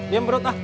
diam perut ah